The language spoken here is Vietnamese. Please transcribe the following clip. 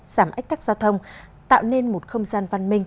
giảm ách tắc giao thông tạo nên một không gian văn minh